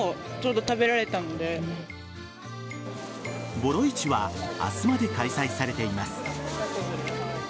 ボロ市は明日まで開催されています。